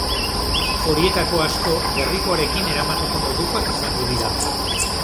Horietako asko gerrikoarekin eramateko modukoak izango dira.